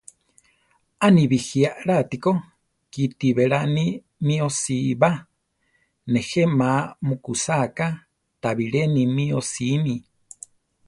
A ni bijí alá atíko, kiti beláni mí osíba; nejé ma mukúsa ka, tabilé ni mi osími.